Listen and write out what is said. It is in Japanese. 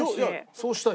そうしたい？